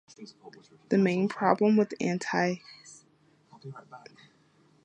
The main problem with antitheism is its negation of my divinity.